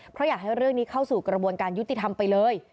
เพราะอยากให้เรื่องนี้เข้าสู่กระบวนการยุติธรรมไปเลย